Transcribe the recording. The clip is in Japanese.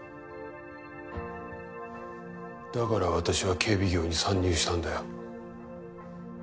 だから私は警備業に参入したんだよ。